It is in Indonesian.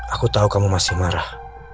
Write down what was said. aku tahu kamu masih marah